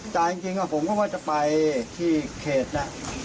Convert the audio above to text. จากจริงผมก็ว่าจะไปที่เขต